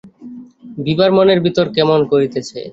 বিভার মনের ভিতরে কেমন করিতেছে।